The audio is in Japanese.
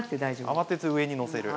慌てず上にのせる。